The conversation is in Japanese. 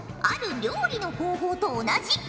ある料理の方法と同じ。